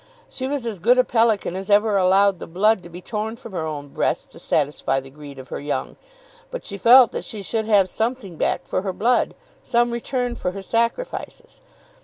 She was as good a pelican as ever allowed the blood to be torn from her own breast to satisfy the greed of her young, but she felt that she should have something back for her blood, some return for her sacrifices.